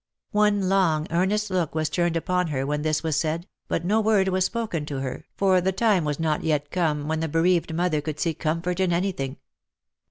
One long earnest look was turned upon her when this was said, but no word was spoken to her, for the time was not yet come when the bereaved mother could seek comfort in any thing.